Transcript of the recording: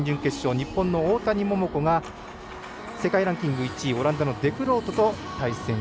日本の大谷桃子が世界ランキング１位オランダのデフロートと対戦。